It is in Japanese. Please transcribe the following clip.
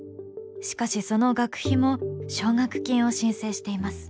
しかし、その学費も奨学金を申請しています。